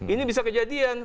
ini bisa kejadian